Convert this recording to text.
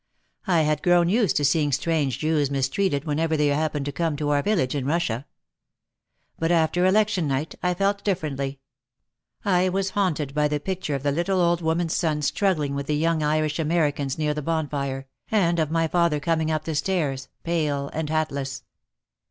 I had grown used to seeing strange Jews mistreated whenever they happened to come to our village in Russia. But after election night I felt differently. I was haunted by the picture of the little old woman's son struggling with the young Irish Americans near the bonfire, and of my father coming up the stairs, pale and hatless.